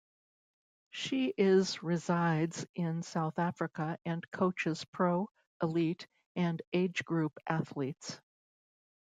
She is resides in South Africa and coaches pro, elite and age group athletes.